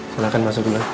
silahkan masuk dulu